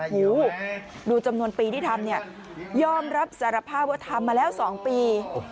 โอ้โฮดูจำนวนปีที่ทำยอมรับสารภาพว่าทำมาแล้ว๒ปี